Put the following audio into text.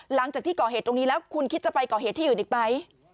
หลังจากที่ก่อเหตุตรงนี้แล้วคุณคิดจะไปก่อเหตุที่อื่นอีกไหม